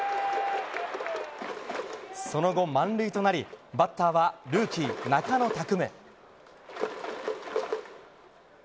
その後、満塁となりバッターはルーキー中野拓夢。